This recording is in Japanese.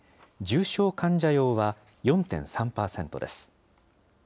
重症患者用は４．３％です。